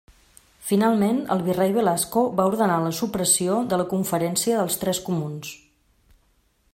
Finalment el virrei Velasco va ordenar la supressió de la Conferència dels Tres Comuns.